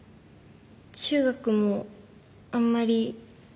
中学もあんまり。